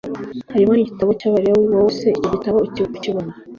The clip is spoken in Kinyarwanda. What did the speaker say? harimo n igitabo cy Abalewi Wowe se icyo gitabo ukibona